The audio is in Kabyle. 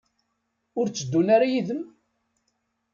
Ur tteddun ara yid-m?